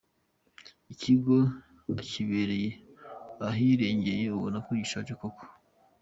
Ikigo ukirebeye ahirengeye ubona ko gishaje koko.